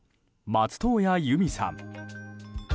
松任谷由実さん。